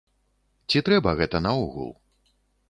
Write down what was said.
Ці трэба гэта наогул?